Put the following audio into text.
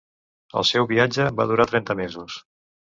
El seu viatge va durar trenta mesos.